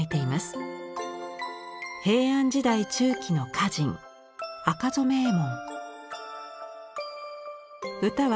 平安時代中期の歌人赤染衛門。